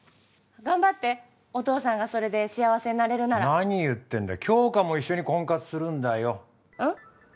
頑張ってお父さんがそれで幸せになれるなら何言ってんだ杏花も一緒に婚活するんだようん？